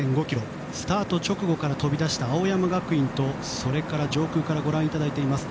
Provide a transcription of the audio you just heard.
スタート直後から飛び出した青山学院とそれから上空からご覧いただいています